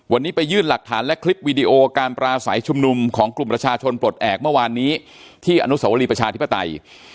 วันนี้ไปยื่นหลักฐานและคลิปวีดีโอการปราศัยชุมนุมของกลุ่มประชาชนปลดแอบเมื่อวานนี้ที่อนุสวรีประชาธิปไตย